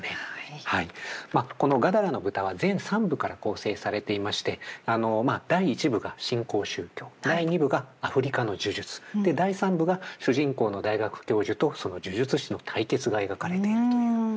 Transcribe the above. この「ガダラの豚」は全３部から構成されていまして第１部が新興宗教第２部がアフリカの呪術第３部が主人公の大学教授とその呪術師の対決が描かれているという。